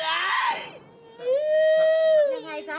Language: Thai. เจ้าธรรมนี้แหละ